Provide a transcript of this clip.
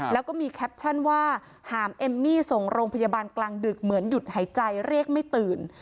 แล้วก็มีแคปชั่นว่าหามเอมมี่ส่งโรงพยาบาลกลางดึกเหมือนหยุดหายใจเรียกไม่ตื่น